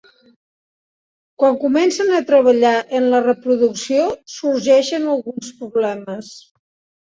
Quan comencen a treballar en la reproducció sorgeixen alguns problemes.